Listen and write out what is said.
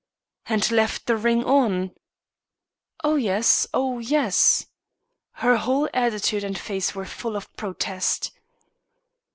"And left the ring on?" "Oh, yes oh, yes." Her whole attitude and face were full of protest.